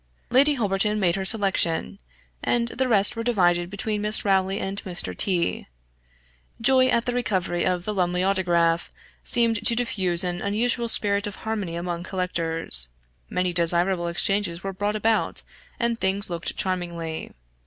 Lady Holberton made her selection, and the rest were divided between Miss Rowley and Mr. T . Joy at the recovery of the Lumley Autograph seemed to diffuse an unusual spirit of harmony among collectors; many desirable exchanges were brought about and things looked charmingly.